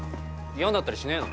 嫌になったりしねえの？